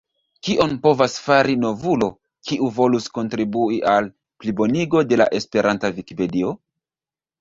Kion povas fari novulo, kiu volus kontribui al plibonigo de la esperanta Vikipedio?